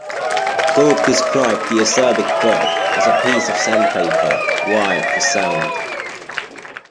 Gould described the acerbic Burke as a piece of sandpaper wired for sound.